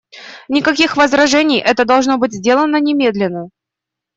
Никаких возражений, это должно быть сделано немедленно.